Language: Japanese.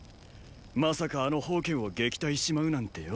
まさかあの煖を撃退しちまうなんてよ。